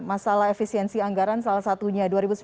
masalah efisiensi anggaran salah satunya